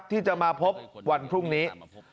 ที่จะมาพบวันพรุ่งนี้